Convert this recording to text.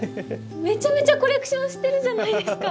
めちゃめちゃコレクションしてるじゃないですか。